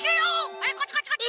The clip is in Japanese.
はいこっちこっちこっち！